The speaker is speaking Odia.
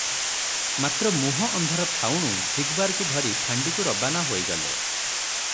ମାତ୍ର ମୁହଁ ଅନ୍ଧାର ଥାଉଣୁ ଦିଗବାରକୁ ଧରି ଫାଣ୍ଡିକୁ ରବାନା ହୋଇଗଲେ ।